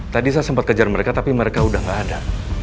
tadi saya sempat kejar mereka tapi mereka udah gak ada